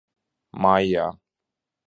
Maijā.